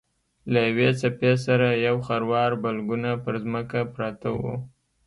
له یوې څپې سره یو خروار بلګونه پر ځمکه پراته وو.